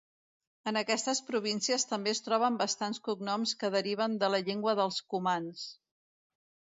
En aquestes províncies, també es troben bastants cognoms que deriven de la llengua dels cumans.